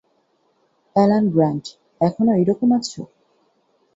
Alan Grant, এখনো একইরকম আছো।